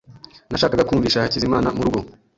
Nashakaga kumvisha Hakizimana murugo.